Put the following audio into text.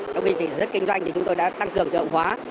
trong việc chỉ dứt kinh doanh thì chúng tôi đã tăng cường tự động hóa